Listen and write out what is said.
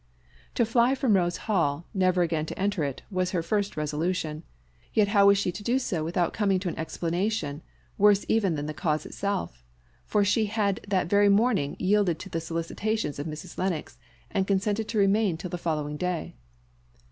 To fly from Rose Hall, never again to enter it, was her first resolution; yet how was she to do so without coming to an explanation, worse even than the cause itself: for she had that very morning yielded to the solicitations of Mrs. Lennox, and consented to remain till the following day.